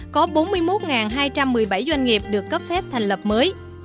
có bốn mươi một hai trăm một mươi bảy doanh nghiệp được cấp phép thành lập mới